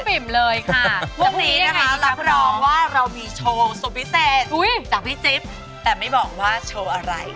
ช่วงนี้นะคะรับรองว่าเรามีโชว์สุดพิเศษจากพี่จิ๊บแต่ไม่บอกว่าโชว์อะไร